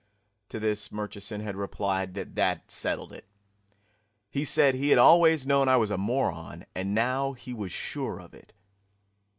To this Murchison had replied that that settled it. He said he had always known I was a moron, and now he was sure of it.